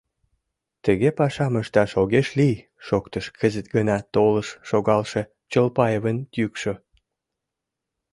Тыге пашам ышташ огеш лий! — шоктыш кызыт гына толын шогалше Чолпаевын йӱкшӧ.